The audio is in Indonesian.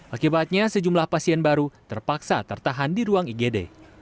akibatnya sejumlah pasien baru terpaksa tertahan di ruang igd